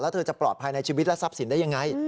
เธอจะปลอดภัยในชีวิตและทรัพย์สินได้ยังไง